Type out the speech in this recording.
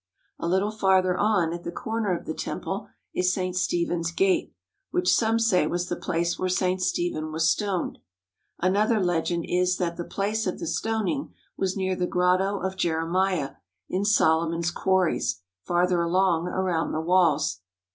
A little farther on, at the corner of the temple, is St. Stephen's Gate, which some say was the place where St. Stephen was stoned. Another legend is that the place of the stoning was near the Grotto of Jeremiah, in Solomon's quarries, farther along around the walls.